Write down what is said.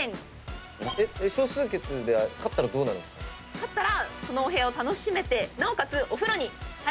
勝ったらそのお部屋を楽しめてなおかつ。